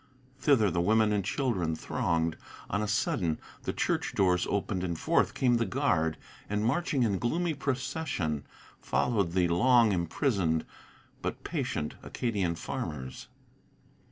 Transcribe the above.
Thither the women and children thronged. On a sudden the church doors Opened, and forth came the guard, and marching in gloomy procession Followed the long imprisoned, but patient, Acadian farmers.